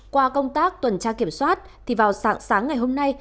qua công tác tuần tra kiểm soát thì vào sáng sáng ngày hôm nay